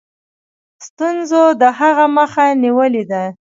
ستونزو د هغه مخه نیولې ده.